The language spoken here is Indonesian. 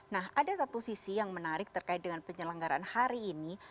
nah ada satu sisi yang menarik terkait dengan penyelenggaran hari ini